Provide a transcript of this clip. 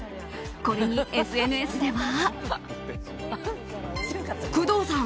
これに、ＳＮＳでは。